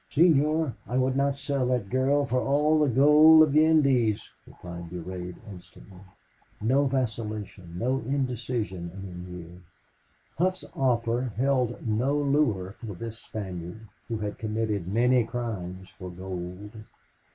"Senor, I would not sell that girl for all the gold of the Indies," replied Durade, instantly. No vacillation no indecision in him here. Hough's offer held no lure for this Spaniard who had committed many crimes for gold.